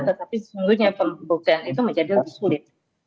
tetapi sebetulnya pembuktian itu menjadi lebih sulit